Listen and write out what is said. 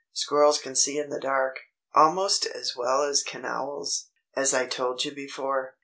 Squirrels can see in the dark, almost as well as can owls, as I told you before.